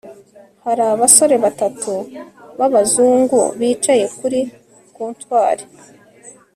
Hari abasore batatu babazungu bicaye kuri comptoir